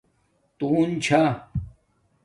تُون چھا